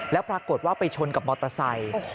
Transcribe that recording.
แล้วปรากฏว่าไปชนกับมอเตอร์ไซค์